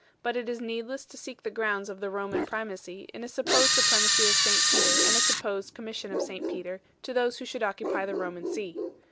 But it is needless to seek the grounds of the Roman primacy in a supposed supremacy of St Peter and a supposed commis sion of St Peter to those who should occupy the Roman see.